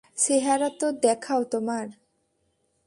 চেহারা তো দেখাও তোমার।